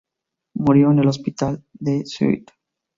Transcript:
Murió en el hospital de St.